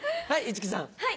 はい。